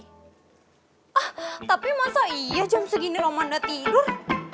ah tapi masa iya jam segini roman ga tidur